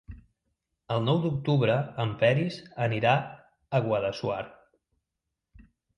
El nou d'octubre en Peris anirà a Guadassuar.